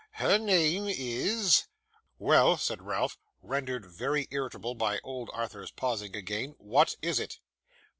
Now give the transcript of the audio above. Her name is ' 'Well,' said Ralph, rendered very irritable by old Arthur's pausing again 'what is it?